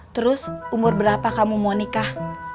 terus umur berapa kamu mau nikah